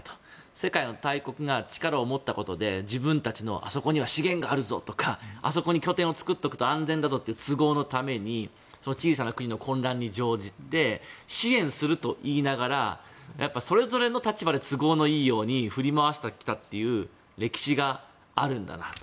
世界の大国が力を持ったことで自分たちのあそこには資源があるぞとかあそこに拠点を作っておくと安全だとか都合のために小さな国の混乱に乗じて支援するといいながらそれぞれの立場で都合がいいように振り回してきたという歴史があるんだなと。